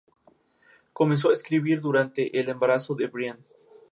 Lo que nadie esperaba es que en plena bacanal de descargas